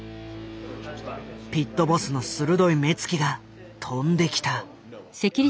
ピットボスの鋭い目つきが飛んできた。